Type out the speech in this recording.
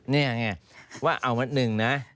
นี่ไงว่าเอาวัดหนึ่งนะ